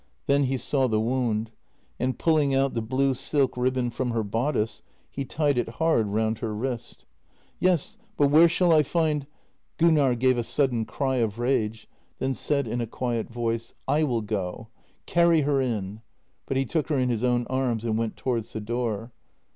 Then he saw the wound, and, pulling out the blue silk ribbon from her bodice, he tied it hard round her wrist. " Yes, but where shall I find .. JENNY 294 Gunnar gave a sudden cry of rage — then said in a quiet voice :" I will go. Carry her in," but he took her in his own arms and went towards the door.